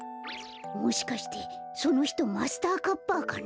もしかしてそのひとマスターカッパーかな？